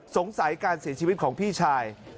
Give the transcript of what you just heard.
สงสัยการเสียชีวิตของพี่ชาย